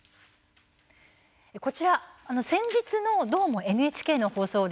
こちら先日の「どーも、ＮＨＫ」の放送。